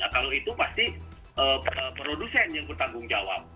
kalau itu pasti produsen yang bertanggung jawab